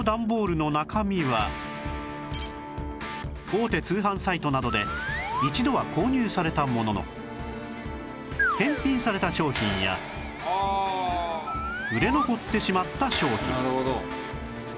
大手通販サイトなどで一度は購入されたものの返品された商品や売れ残ってしまった商品